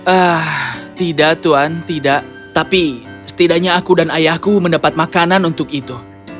ah tidak tuan tidak tapi setidaknya aku dan ayahku mendapat makanan untuk itu